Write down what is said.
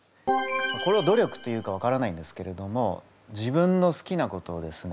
これを努力と言うか分からないんですけれども自分の好きなことをですね